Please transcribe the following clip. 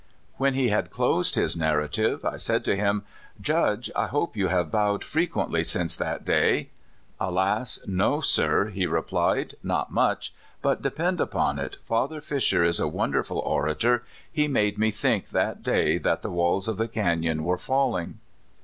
"When he had closed his narrative, I said to him: 'Judge, I hope you have bowed frequently since that day.' 'Alas ! no, sir/ he replied ;' not much ; but depend upon it, Father Fisher is a wonderful orator he made me think that day that the walls of the canon were falling.'